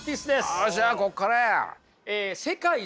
よっしゃこっからや！